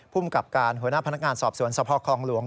ภูมิกับการหัวหน้าพนักงานสอบสวนสภคลองหลวง